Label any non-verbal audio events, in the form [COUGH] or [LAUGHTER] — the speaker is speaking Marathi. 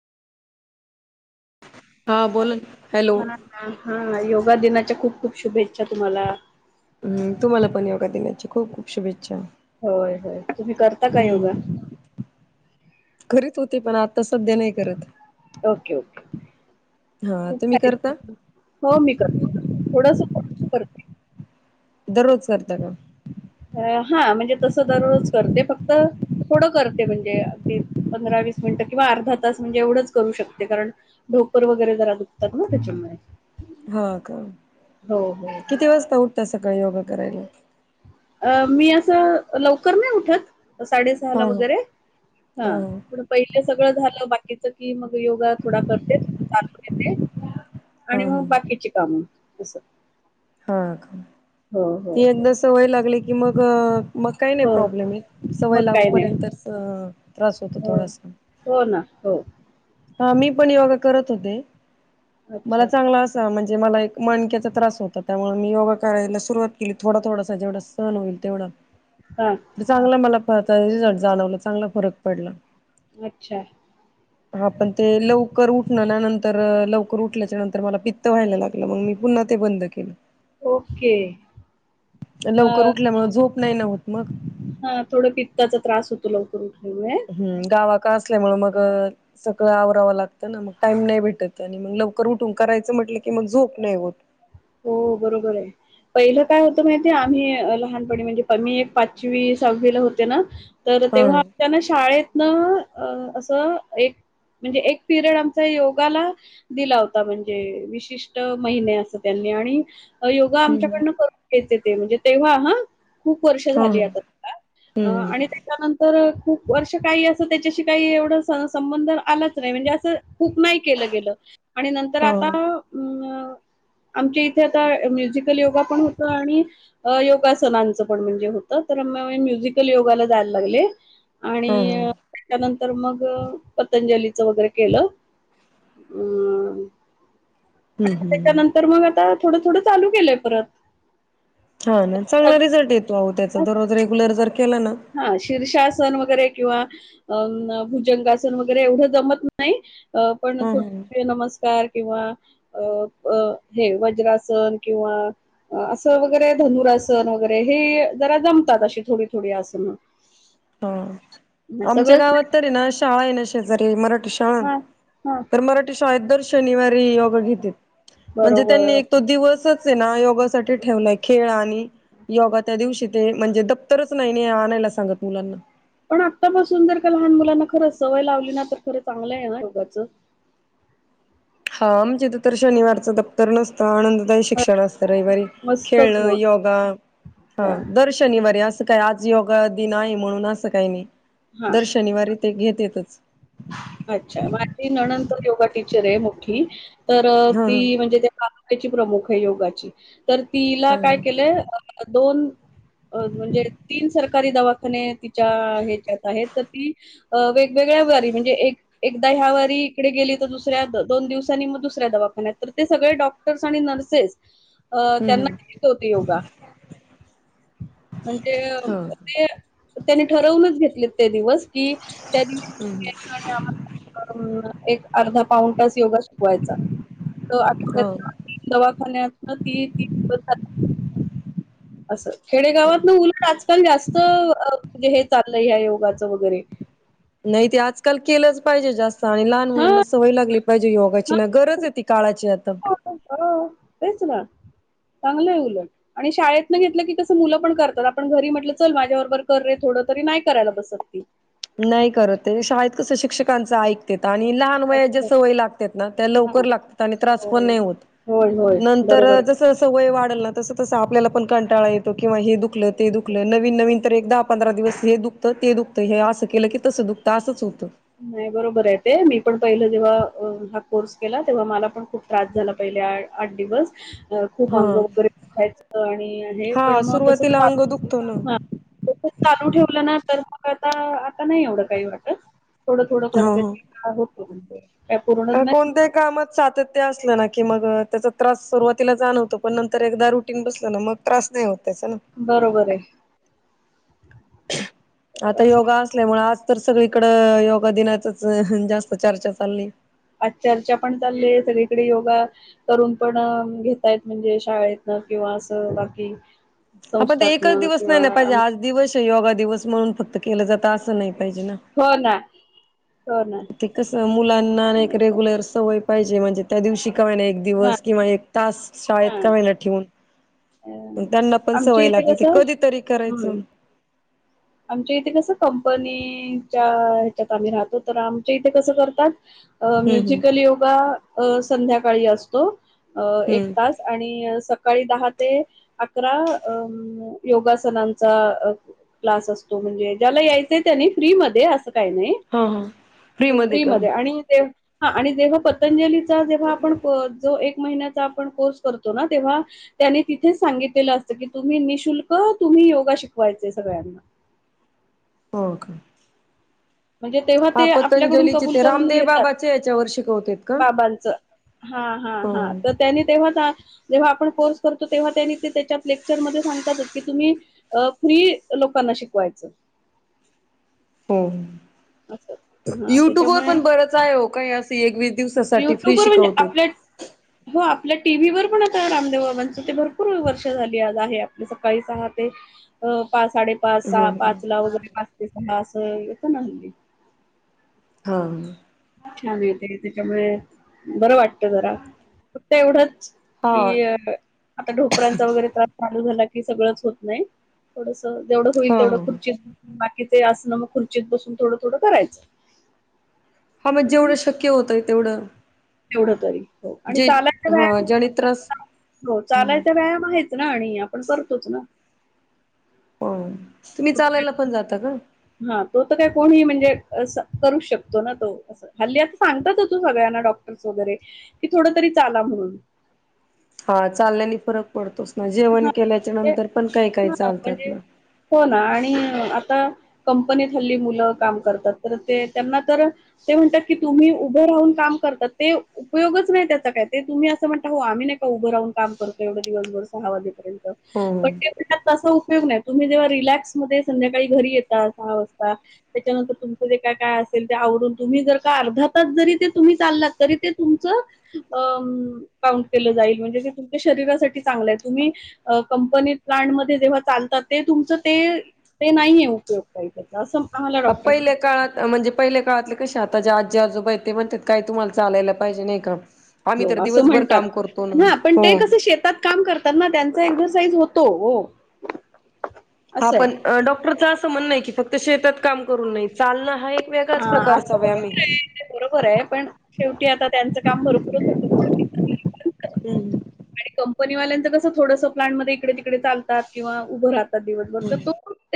हा बोल. हॅलो. हा हा योगा दिनाच्या खूप खूप शुभेच्छा तुम्हाला. हम्म. तुम्हाला पण योगा दिनाच्या खूप खूप शुभेच्छा. होय होय तुम्ही करता का योगा? हम्म. करीत होते. पण आत्ता सध्या नाही करत. Okay okay. हा खूप तुम्ही करता फायद्याचं ठरत. हो मी करते थोडस करते. दररोज करता का? अ हा. म्हणजे तसं दररोज करते. फक्त थोडं करते म्हणजे. अगदी पंधरा वीस मिनिटं. किंवा अर्धा तास. म्हणजे एवढंच करू शकते. कारण ढोपर वगैरे जरा दुखतात ना. त्याच्यामुळे. हो का? हो हो हो. किती वाजता उठता सकाळी योगा करायला? अ मी असं लवकर नाही उठत. साडेसहाला हा. वगैरे. हा. पहिलं सगळं झालं बाकीच की, मग योगा थोडा करते. चालून येते. हा आणि हा मग बाकीची कामं. असं. हा का? हो हो ती हो एकदा सवय लागली की मग मग काही नाही हो प्रॉब्लेम येत. सवय मग काही नाही लागूपर्यंत त्रास होतो हो थोडासा. हो ना. हो. हा मी पण योगा करत होते. मला अच्छा चांगला असा हा म्हणजे मला एक मणक्याचा त्रास होता. त्यामुळे मी योगा करायला सुरुवात केली. थोडा थोडासा जेवढा सहन होईल तेवढा. हा. त चांगला मला फ रिझल्ट जाणवला. चांगला फरक पडला. अच्छा. हा पण ते लवकर उठणा नंतर लवकर उठल्याच्या नंतर मला पित्त व्हायला लागलं. मग मी पुन्हा ते बंद केल. ओके केल. लवकर उठल्यामुळ झोप नाही ना होत मग. हा थोडं पित्ताचा त्रास होतो. लवकर उठल्यामुळं. हम्म. गावा क असल्यामुळ मग सगळं आवरावं लागतं ना. मग टाइम नाही भेटत. आणि मग लवकर उठून करायचं म्हटलं की, मग झोप नाही होत. हो बरोबरे. पहिलं काय होतं माहितीेये? आम्ही लहानपणी म्हणजे मी एक पाचवी सहावीला होते ना. तर हा तेव्हा त्यां न शाळेतन अ असं एक म्हणजे एक पिरियड आमचा योगाला दिला होता म्हणजे विशिष्ट महिन्याचा. त्यांनी आणि योगा हम्म आमच्याकडनं करून घ्यायचे ते म्हणजे तेव्हा हा. खूप वर्ष हम्म हा हा झाली आता त्याला अ हम्म आणि त्या त्याच्यानंतर खूप वर्ष काही असं त्याच्याशी काही एवढं स- संबंध आलाच नाय म्हणजे असं खूप केलं गेलं आणि नंतर हा आता अ आमच्या इथे आता म्युझिकल योगा पण होत आणि अ- योगासनांचं पण म्हणजे होत तर मी म्युझिकल योगाला जायला लागले. आणि हा हा त्याच्यानंतर मग पतंजलीच वगैरे केलं. अ हम् हम्. तर मग आता थोडं थोडं चालू केलंय परत. हा ना चांगला सगळ्यांना रिझल्ट येतो अहो त्याचा दररोज रेग्युलर जर केला ना. हा शीर्षासन वगैरे किंवा अं -भुजंगासन वगैरे एवढं जमत नाय. अ- पण हा ह [INAUDIBLE] नमस्कार किंवा अ, अ- हे वज्रासन किंवा असं वगैरे धनुरासन वगैरे हे जरा जमतात अशी थोडी थोडी अस. [UNINTELLIGIBLE] हा आमच्या गावात तरी ना शाळा आहे ना शेजारी मराठी शा हां, हां, तर मराठी शाळेत दर शनिवारी योगा घेत्यात. म्हणजे त्यांनी बरोबर. एक तो दिवसच ए ना योगासाठी ठेवलाय खेळ आणि योगा त्या दिवशी ते म्हणजे दप्तरच नाही नाय आणायला सांगत मुलांना. पण आत्तापासून जर का लहान मुलांना खरं सवय लावली ना तर खरं चांगलं आहे ना योगाच. हा मआमच्या हित तर शनिवारच दप्तर नसतं आन द हा, -शिक्षण असत रविवारी मस्तच खेळण मग. योगा हा हां, दर श शनिवारी असं काय आज योग दिन आहे म्हणून असं काही नाही हां. दर शनिवारी ते घेतेच. अच्छा माझी नणंत योगा टीचर आहे मोठी तर हा ती हा म्हणजे तालुक्याची प्रमुखाय योगाची तर तिला हा काय हम्म केलंय दोन म्हणजे तीन सरकारी दवाखाने ती च्या ह्याच्यात आहेत तर ती वेगवेगळ्या वारी म्हणजे एक एकदा ह्या वारी इकडे गेली तर दुसऱ्या दोन दिवसांनी मग दुसऱ्या दवाखान्यात तर ते सगळे डॉक्टर्स आणि नर्सेस अ हम्म त्यांना [INAUDIBLE] योगा म्हणजे हा त्ये त्यांनी ठरवूनच घेतले ते दिवस की त्या हम्म दिवशी अ -एक अर्धा पाऊन तास योगा शिकवायचा तो हो आठवड्यातंन दवाखान्यात ती [INAUDIBLE] अस. खेडेगावात न उलट आजकाल जास्त अ -म्हणजे हे चाललंय ह्या योगाचं वगैरे. नाही ते आजकाल केलंच पाहिजे जास्त आणि लहान हा मुलांना सवय लागली पाहिजे योगाची ना गरज ए ती काळाची आता. हो तेच ना चांगलंय उलट. आणि शाळेत न घेतलं की कसं मुलं पण करतात आपण घरी म्हटलं चल माझ्या बरोबर कर रे थोडं तरी नाय करायला बसत ती. नाही करत ते शाळेत कसं शिक्षकांचं ऐक तेत आणि लहान वया ज्या सवयी लागतात ना त्या हा लवकर लागतात आणि त्रास पण होय, नाय होत. होय होय बरोबर ए. जस जस वय वाढल ना तसं तस आपल्याला पण कंटाळा येतो किंवा हे दुखलं ते दुखलं नवीन नवीन तर एकदा पंधरा दिवस हे दुखतं ते दुखतं हे असं केलं की तसं दुखतं असंच होतं. नाही बरोबर आहे ते मी पण पहिलं जेव्हा हा कोर्स केला तेव्हा मला पण खूप त्रास झाला पहिले आ आठ दिवस. खूप अंग हा वगैरे दुखायचं आणि हे पण हा मग तस सुरुवातीला अंग दुखतो ना चालू ठेवलं ना तर मग आता आता नाही एवढं काही वाटत थोडं थोडं करते. हा होते होते. कोणत्या हि कामात सातत ते असलं ना की मग त्याचा त्रास सुरुवातीला जाणवतो पण नंतर एकदा रुटीन बसलं ना मग, त्रास नाही होते तेच ना. बरोबर आहे. तर आता असं योगा असल्यामुळे आज तर सगळीकड योगा दिनाचच जास्त चर्चा चालली. आज चर्चा पण चालली आहे सगळीकडे योगा. करून पण घेतायत म्हणजे शाळेतन किंवा असं बाकी हा पण ते एकच संस्थातन दिवस नाही किंवा ना पाहिजे आम आज दिवस योगा दिवस म्हणून फक्त केलं जात असं नाही पाहिजे ना. हो ना! हो ना ते कस मुलांना एक नाही का रेग्युलर सवय पाहिजे म्हणजे त्या दिवशी काय नाही एक हा दिवस किंवा एक तास हा शाळेत का व्हाला ठेवून. अ त्यांना पण आमच्या सवय इथे लागते त कसं कधीतरी करायचं. हम्म [INAUDIBLE] आमच्या इथे कसं कंपनीच्या ह्याच्यात आम्ही राहतो तर आमच्या इथे कसं करतात. अ हम्म हम्म म्युझिकल योगा अ संध्याकाळी असतो अ एक हम्म तास. आणि सकाळी दहा ते अकरा अ योगासनांचा क्लास असतो म्हणजे ज्याला यायचंय त्यानी फ्री मध्ये असं काही नाही. हा हा फ्री मध्ये आणि ते हा आणि जेव्हा पतंजलीचा जेव्हा आपण जो एक महिन्याचा आपण कोर्स करतो ना तेव्हा त्यांनी तिथेच सांगितलेलं असतं की तुम्ही निशुल्क तुम्ही योगा शिकवायचे सगळ्यांना. हो का? म्हणजे तेव्हा हा ते आपल्याकडून पतंजलीचे कबूल ते करून रामदेव घेतात. बाबाच्या याच्यावर शिकवतेत का बाबांच हा हा हो हा हो. तर त्यानी तेव्हा जेव्हा आपण कोर्स करतो. तेव्हा त्यांनी ते त्याच्यातले, चर मध्ये सांगतातच की तुम्ही फ्री लोकांना शिकवायचं. हो. अच्छा! युट्यूब वर पण बरंच आहे हो काही असे एक वीस दिवसासाठी फ्री युट्यूबवर म्हणजे शिकवते. आपल्या हो आपल्या टी व्ही वर पण आता रामदेव बाबांचं ते भरपूर वर्ष झाली आज आहे आपल्या सकाळी सहा ते अ पाच साडेपाच सहा हम्म पाच ला वगैरे पाच ते सहा अस येत ना हल्ली. हां. छान येत त्याच्यामुळे बरं वाटत जरा फक्त एवढंच हा की अ आता ढोपरांचा वगैरे त्रास चालू झाला की सगळंच होत नाही. थोडस जेवढं होईल हा तेवढं ह खुर्चीत बाकीचे असणं मग खुर्चीत बसून थोडं थोडं करायचं. हा मग जेवढं शक्य होतंय तेवढं, तेवढ तरी हो आणि जे चालायचा ह व्यायाम ज्याने त्रास हो चालायचा व्यायाम आहेच‌. ना आणि आपण करतोच ना. हो हो तुम्ही चालायला पण जाता का? हा तो तर काय कोणीही म्हणजे असं करू शकतो ना तो हल्ली आता सांगतातचं सगळ्यांना डॉक्टर्स वगैरे की थोडं तरी चाला म्हणून हा चालण्याने फरक पडतोचं ना जेवण हां, केल्याच्या म्हणजे नंतर पण काही काही हां, चालतात म्हणजे ना हो ना आणि आता कंपनीत हल्ली मुलं काम करतात तर ते त्यांना तर ते म्हणतात की तुम्ही उभं राहून काम करतात ते उपयोगच नाही त्याचा काय ते तुम्ही असं म्हणता हो आम्ही नाही का उभं राहून काम करतो एवढं दिवसभर सहा वाजेपर्यंत पण ते हो तसा उपयोग नाही तुम्ही जेव्हा रिलॅक्स मध्ये संध्याकाळी घरी येता सहा वाजता त्याच्यानंतर तुमचं जे काय काय असेल ते आवरून तुम्ही जर का अर्धा तास जरी ते तुम्ही चाललात तरी ते तुमचं अ काउंट केलं जाईल म्हणजे ते तुमच्या शरीरासाठी चांगलं हाय तुम्ही कंपनी प्लांटमध्ये जेव्हा चालतात ते तुमचं ते ते नाहीये उपयोग असं ह पहिल्या डॉक्टर काळात म्हणजे पहिल्या काळातले कसे आता ज्या आजी आजोबा आहेत ते म्हणतात काही तुम्हाला चालायला पाहिजे नाही का हो आम्ही तर असं दिवसभर म्हणतात काम करतो ना हा पण ते हो. कसं शेतात काम करतात ना त्यांचं एक्सरसाइज होतो हो हा असं आहे पण डॉक्टरचा असं म्हणणं की फक्त शेतात काम करून नाही चालणं हा एक वेगळ्याच प्रकारचा व्यायाम हे ते बरोबर आहे पण शेवटी आता त्यांचं काम भरपूरच होत हम्म आणि कंपनी वाल्यांच कसं थोडस प्लांट मध्ये इकडे तिकडे चालतात किंवा उभं राहत तात दिवसभर तर तो